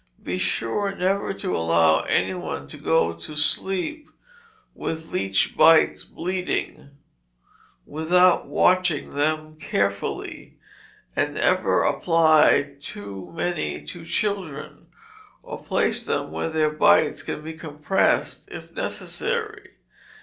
Be sure never to allow any one to go to sleep with leech bites bleeding, without watching them carefully; and never apply too many to children; or place them where their bites can be compressed if necessary.